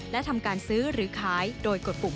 และทำการซื้อหรือขายโดยกดปลูก